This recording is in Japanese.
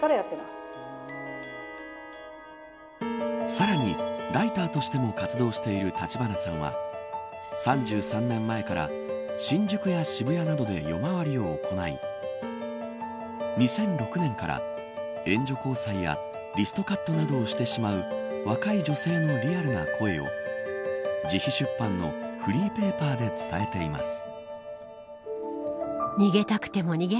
さらに、ライターとしても活動している橘さんは３３年前から新宿や渋谷などで夜回りを行い２００６年から援助交際やリストカットなどをしてしまう若い女性のリアルな声を自費出版のフリーペーパーで伝えています。